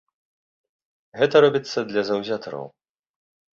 Гэта робіцца для заўзятараў.